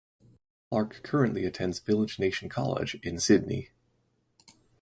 Clarke currently attends Village Nation College in Sydney.